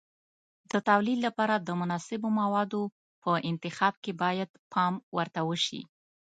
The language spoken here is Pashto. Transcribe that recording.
د تولید لپاره د مناسبو موادو په انتخاب کې باید پام ورته وشي.